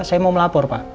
saya mau melapor pak